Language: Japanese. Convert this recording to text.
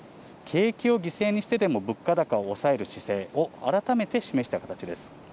景気を犠牲にしてでも物価高を抑える姿勢を改めて示した形です。